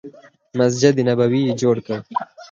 مسجد نبوي یې جوړ کړ.